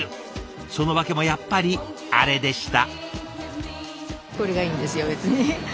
その訳もやっぱりあれでした。